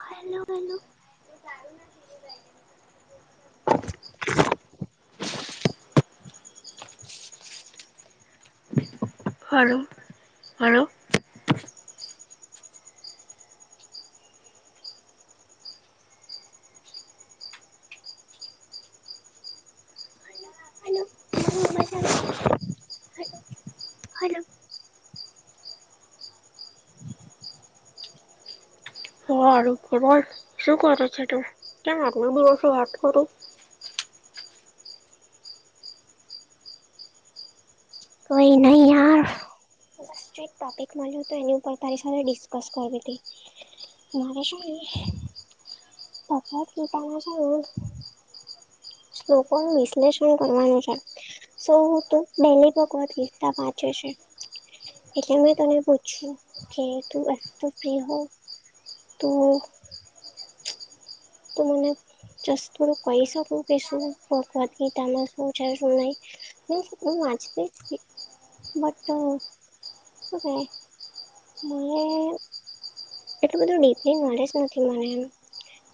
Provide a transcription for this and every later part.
Hello hello હાલો હાલો અને [unintelligible] હલો તોું કર શું કરો છ ત ત આત્નો બીિવ શું વાત કરું [inaudible] કોઈ નહીં યાર બસ જો એક ટોપિક મળ્યો હતો એની ઉપર તારી સાથે ડિસ્કસ કરવી હતી. મારે શું તપાસતામાં જોય [unintelligible] શ્લોકો નું વિશ્લેષણ કરવાનું છે સૌું જ લીસ્તા વાંચે છે એટલે મેં તને પૂછ્યું કે તું ફ્રી હો તો તો મને જસ્ટ થોડું કહી શકું કે શું ભગ઼વતગીતામાં શું છે શું નહી હૂ વાંચતી તી બટ શું કાય મને એટલું બધું ડીપલી નોલેજ નથી મને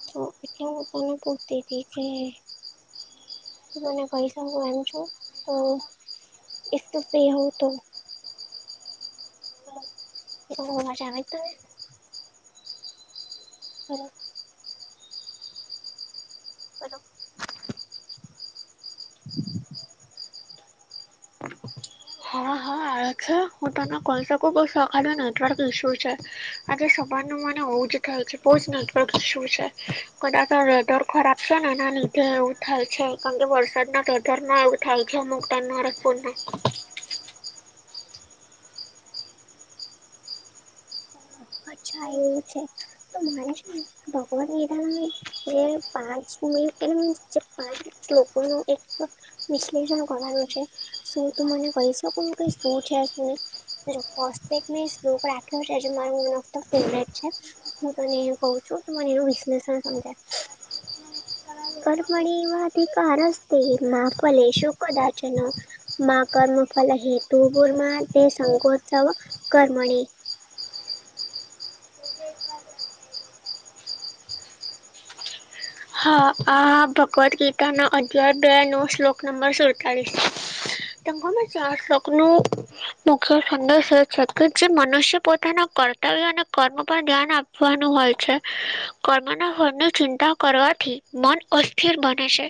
તો એટલે હું તને પુછતી તી કે તો મને કહી સકો એમ છો? તો ફ્રિ હોવ તો એ તો બ ભાષા અ જ ત [unintelligible] હાલો હાલો હા હા છે હું તો ના કોઈસાકો બ આખાડ નથી [inaudible] નેટવર્ક ઇશ્યુ છે આજે સવારનું મને બોવ જ થાય છે. બહુ જ નેટવર્ક ઇશ્યુ છે. કદાચ વેધર ખરાબ છે ને એના લીધે એવું થાય છે કારણ કે વરસાદ ના ત ના એવું થ છે મોગ ટાઈના માર ફોન ના [unintelligible] અચ્છા એવું છે તો મને શું ભગવત ગીતા જે પાંચ એ પાંચ શ્લોકો ન એક વિશ્લેષણ કરવાનું છે શું તું મને કહી શકું કે શું છે શું સ્ટક [inaudible] મોસ્ટ ફેવરીટ છે મને વિશ્લેષ સમજાય કર્મણી વાથીિક રસતેમાં ફલે શો કદાચ ન [unintelligible] મા કર્મ ફલ હેતુ પુર્મા તે સંગોત્સવ કર્મણી [unintelligible] હા આ ભગવદ્ ગીતાના અધ્યાય બે નો શ્લોક નંબર સુડતાળીસ તને ખબર છે આ શ્લોક નો મુખ્ય સંદેશ એ છે કે જે મનુષ્ય પોતાના કર્મ અને કર્મ પર ધ્યાન આપવાનું હોય છે કર્મના ફળની ચિંતા કરવાથી મન અસ્થિર બને છે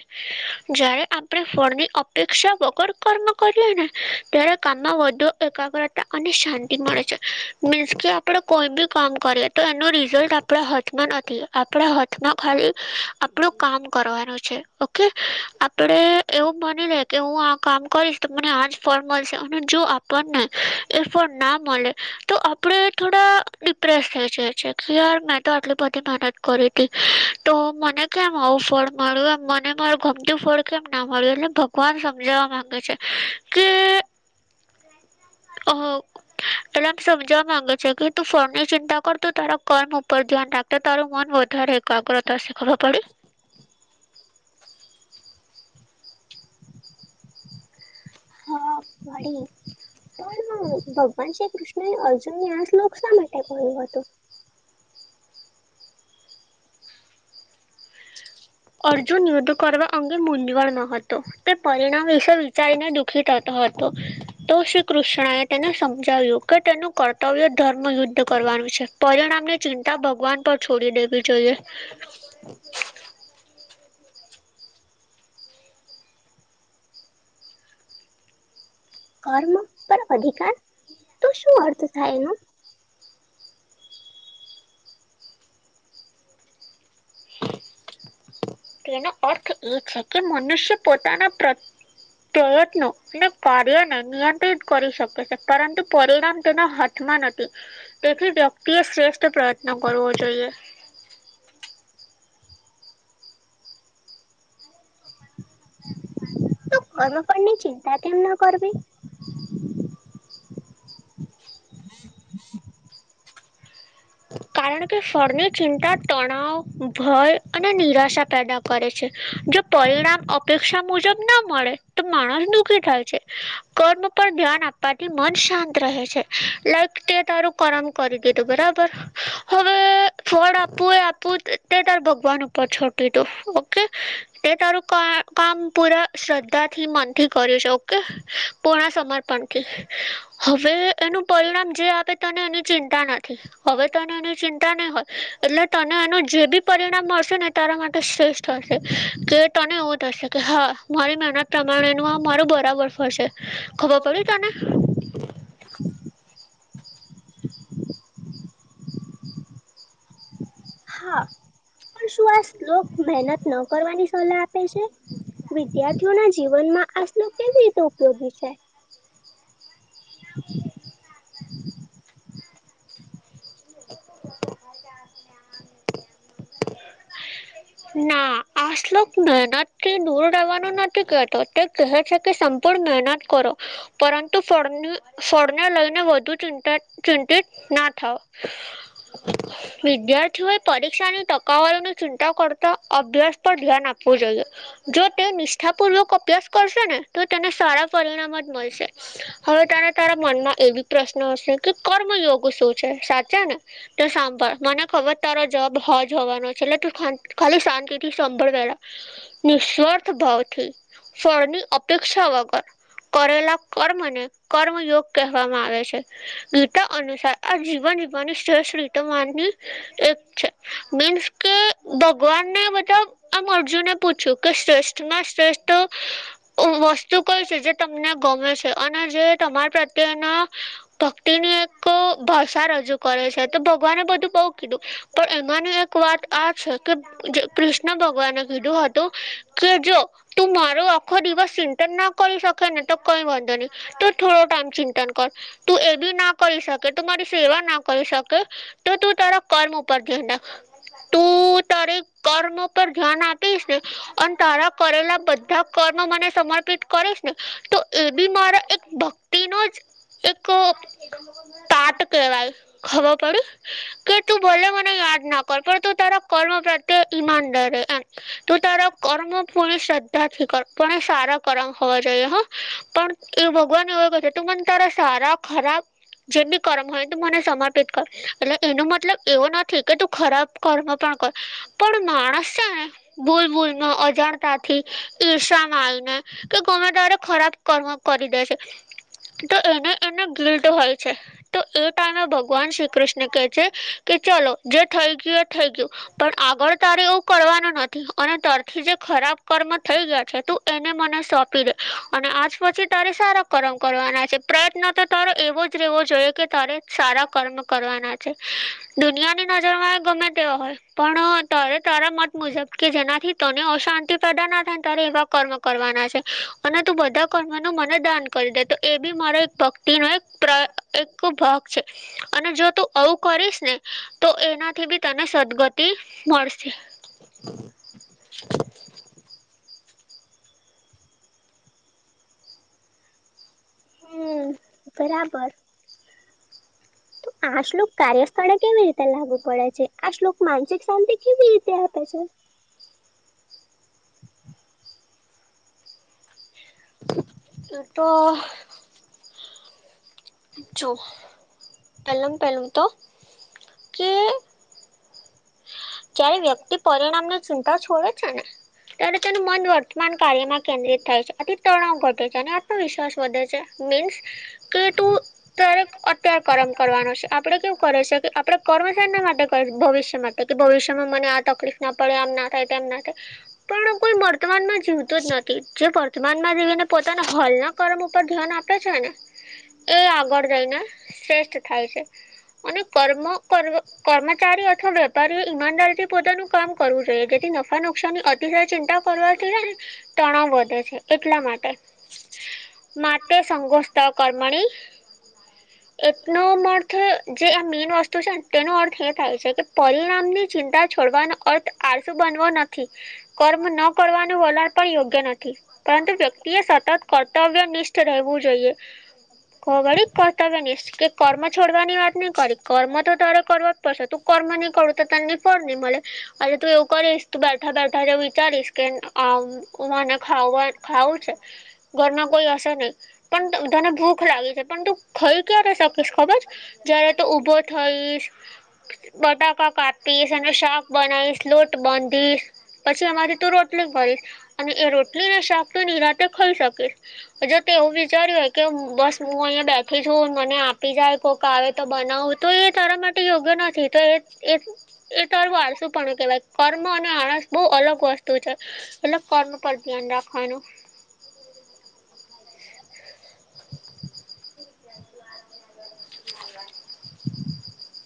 જ્યારે આપણે ફળની અપેક્ષા વગર કર્મ કરીએ ને ત્યારે કામમાં વધુ એકાગ્રતા અને શાંતિ મળે છે. મીન્સ કે આપણે કોઈ બી કામ કરીએ તો એનો રિઝલ્ટ આપણા હાથમાં નથી આપડા હાથના ખાલી આપડું કામ કરવાનું છે ઓકે, આપડે એવું માની લે કે હું આ કામ કરીશ તો મને આ જ ફળ મળશે અને જો આપણને એ ફળ ના મળે તો આપડે થોડા ડિપ્રેસ થઈ જઈએ છીએ, કે યાર મેં તો આટલી બધી મેહેનત કરીતી તો મને કેમ આવું ફળ મળ્યું એમ મને મારું ગમતું ફળ કેમ ના મળ્યું એટલે ભગવાન સમજવા માંગે છે [inaudible] ઓહો. એટલે આમ સમજવા માંગે છે કે તું ફળની ચિંતા કરતા તારા કર્મ ઉપર ધ્યાન રાખ તો તારું મન વધારે એકાગ્રતા શીખવો પડે વડી પણ ભગવાન શ્રી કૃષ્ણ ને અર્જુનને આ શ્લોક શા માટે બોલ્યો હતો. અર્જુન યુદ્ધ કરવા અંગે મૂંઝવણો હતો તે પરિણામ વિશે વિચારીને દુઃખી થતો હતો તો શ્રી કૃષ્ણ એ તેને સમજાવ્યું કે તેનું કર્તવ્ય ધર્મ યુદ્ધ કરવાનું છે. પરિણામની ચિંતા ભગવાન પર છોડી દેવી જોઈએ. [inaudible] કર્મ પર અધિકાર તો શું અર્થ થાય એનો [inaudible] તો એનો અર્થ એ છે કે મનુષ્ય પોતાના પ્ર પ્રયત્નો અને કાર્યને નિયંત્રિત કરી શકે છે પરંતુ પરિણામ તેના હા થમાં નથી તેથી વ્યક્તિએ શ્રેષ્ઠ પ્રયત્ન કરવો જોઈએ. [inaudible] કર્મફળની ચિંતા કેમ ન કરવી. [inaudible] કારણ કે ફળની ચિંતા તણાવ, ભય અને નિરાશા પેદા કરે છે, જો પરિણામ અપેક્ષા મુજબ ના મળે તો માણહ દુઃખી થાય છે, કર્મ પર ધ્યાન આપ વાથી મન શાંત રહે છે, લાઈક તે તારું કરમ કરી દીધું બરાબ પર હવે ફળ આપવું એ આપવું તે તે તાર ભગવાન ઉપર છોડ દીધું, ઓકે. તે તારું કા કામ પૂરા શ્રદ્ધાથી, મનથી કર્યું છે, ઓકે. પૂર્ણ સમર્પણથી હવે એનું પરિણામ જે આપે તને એની ચિંતા નથી હવે તને એની ચિંતા નહી હોય એટલે તને એનું જે બી પરિણામ મળશે ને તારા માટે શ્રેષ્ઠ થશે કે તને એવું થશે કે હા મારી મેહેનત પ્રમાણેનું આ મારું બરાબર ફળ સે. ખબર પડી તને? હા, પણ શું આ શ્લોક મેહેનત ન કરવાની સલાહ આપ પે છે, વિદ્યાર્થીઓના જીવનમાં આ શ્લોક કેવી રીતે ઉપયોગી છે? [inaudible] [inaudible] [inaudible] [inaudible] [inaudible] [inaudible] ના આ શ્લોક મેહેનતથી દૂર રેહેવાનું નથી કેતો તે કહે છે કે સંપૂર્ણ મેહેનત કરો. પરંતુ ફળની ફળને લઈને વધુ ચિંતા ચિંતિત ના થાઓ, વિદ્યાર્થીઓએ પરીક્ષાની તક કાવારીની ચિંતા કરતા અભ્યાસ પર ધ્યાન આપવું જોઈએ. જો તે નિષ્ઠા પૂર્વક અભ્યાસ કરશે ને તો તેને સારા પરિણામ જ મળશે. હવે તારે તારા મનમાં એવી પ્રશ્ન હશે કે, કર્મયોગ શું છે સાચા ને? તો સાંભળ મને ખબર તારો જવાબ હા જ જવાનો છે એટલે તું ખા ખાલી શાંતિથી સંભળલ વેહલા, નિસ્વાર્થ ભાવથી ફળની અપેક્ષા વગર કરેલા કર્મને કર્મયોગ કહેવામાં આવે છે ગીતા અનુસાર આ જીવન જીવાની શ્રેષ્ઠ રીતે માનની એક છે મીન્સ કે ભગવાનને મતલબ આમ અર્જુને પૂછ્યું કે શ્રેષ્ઠ માં શ્રેષ્ઠ વસ્તુ કઈ છે જે તમને ગમે છે અને જે તમારા પ્રત્યેના ભક્તિની એક ભાષા રજૂ કરે છે તો ભગવાને બધું બઉુ કીધું પર એનાનું એક એક વાત આ છે કે કૃષ્ણ ભગવાને કીધું હતું કે જો તું મારો આખો દિવસ ચિંતન ના કરી શકે ને તો કઈ વાંધો નહી તો થોડો ટાઈમ ચિંતન કર તું એ બી ના કરી શકે તું મારી સેવા ના કરી શકે તો તું તારા કર્મ ઉપર જ ના [inaudible] કર્મ પર ધ્યાન આપી છે અને તારા કરેલા બધા કર્મ મને સમર્પિત કરીશ ને તો એ બી મારા એક ભક્ તન જ એક તાટ કેવાય ખબર પડી કે તું ભોલે મને યાદ નાખ કોપ તોું તારા કર્મ પ્રા્યે ઇન ડરે તો તારા કર્મ પરી શ્રદ્ધાથી સારા કરમ હોવા જોઈએ હ પણ એ ભગવાન એવ પછ તું મને તારા સારા ખરાબ જેમ બી કરમ હોય ને તું મને સમર્પિત કર એટલે એનો મતલબ એવો નથી કે ખરાબ કર્મ પણ કોય પણ માણસ છે ને ભૂલ બૂલ ન અજાણતાથી ઈર્ષા માયને કે ગમે તારે ખરાબ કર્મ કરી દે છે તો એને એને ગિલ્ટ હોય છે તો એ ટાઈમે ભગવાન શ્રી કૃષ્ણ કેહે છે કે ચલો જે થઇ ગયું એ થઈ ગયું પણ આગળ તારે એવું કરવાનું નથી અને તરથી જે ખરાબ કર્મ થઈ ગયા છે તું એને મને સોંપી દે અને આજ પછી તારે સારા કરમ કરવાના છે પ્રયત્ન તો તારો એવો જ રહેેવો જોઈએ કે તારે સારા કર્મ કરવાના છે દુનિયાની નજરમાં ગમે તેવા હોય પણ તાર મત મુજબ કે જેનાથી તને અશાંતિ ા ના થાયને ત એવા કર્મ કરવાના છે અને તું બધા કર્મ ન મને દાન કરી દે તો એ બી મારે ભક્તિનોો એક એક ભાગ છે અને જો તું આવું કરીશ ને તો એનાથી બી તને સદગતિ મળશે હમ બરાબર આ શ્લોક કાર્યસ્થળે કેવી રીતે લાગુ પડે છે આ શ્લોક માનસિક શાંતિ કેવી રીતે આપે છે તોો જો પહેલા પહેલું તો કે ત્યારે વ્યક્તિ પરિણામની ચિંતા છોડે છે ને ત્યારે તેનું મન વર્તમાન કાર્યમાં કેન્દ્રિત થાય છે આથી તણાવ ઘટે છે અને આત્મવિશ્વાસ વધે છે મીન્સ કે તું ક્યારેક અત્યારે કર્મ કરવાનો છે આપણે કેવું કરે છે કે આપણે કર્મચારના માટે ભવિષ્ય માટે એટલે કે ભવિષ્યમાં મને આ તકલીફ ના પડે આમ ના થાય એમ ના થાય પણ કોઈ વર્તમાનમાં જીવતો જ નથી જે વર્તમાનમાં જીવીને પોતાના હલના કર્મ ઉપર ધ્યાન આપે છે ને એ આગળ જઈને શ્રેષ્ઠ થાય છે અને કર્મ કર્ કર્મચારી અથવા ઈમાનદારથી પોતાનું કામ કરવું જોઈએ જેથી નફા નુકાની અતિશય ચિંતા કરવાથીઈ ને તણાવ વધે છે એટલા માટે માતા સંઘોસ્થ કર્મણી એટનો અર્થ જે આ મેઇન વસ્તુ છેને તેનો અર્થ એ થાય છે કે પરિણામની ચિંતા છોડવાનો અર્થ આરસુ બનવો નથી કર્મ ન કરવાનું વલણ પણ યોગ્ય નથી પરંતુ વ્યક્તિએ સતત કર્તવ્ય નિિષ્ઠ રહેવું જોઈએ કોગળડી કોતાબ નને એસ્ટ કે કર્મ છોડવાની વાત નહી કરી કર્મ તો તારે કરો જ પડશે તું કરમની કું તો તેમની ફરને મળે અરે તું એવું કરીશ તું બેઠા બેઠા એ વિચારીશ કેમ ને ખ ખાવું છે ઘરના કોઈ હશે નહી પણ તને ભૂખ લાગી છે પણ તું ખાઈ ક્યારે શકીશ ખબર જય્યારે તો ઊભો થઈશ બટાકા કાપીશ અને શાક બનાવીશ લોટ બાંધીશ પછી અમારી તું રોટલી ભરીશ અને એ રોટલીને શાક તો નિરાતે ખાઈ શકીશ હ જો તો એવું વિચાર્યું હોય કે બસ હું અહીિયાયા બેઠી છું મને આપી જાય કોક આવે તો બનાવ તો એ તારા માટે યોગ્ય નથી તો એ એ તોરું વાળસું પણ કેહેવાય કર્મ અને આળસ બહુ અલગ વસ્તુ છે એલ કરનું ભરતી રાખાનું બ